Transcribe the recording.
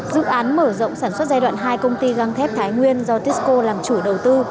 dự án mở rộng sản xuất giai đoạn hai công ty găng thép thái nguyên do tisco làm chủ đầu tư